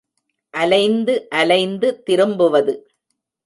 அலைந்து அலைந்து திரும்புவது.